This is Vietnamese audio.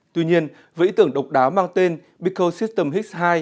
tuy nhiên với ý tưởng độc đáo mang tên bicosystem x hai